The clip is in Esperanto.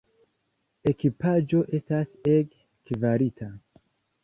Ekipaĵo estas ege kvalita.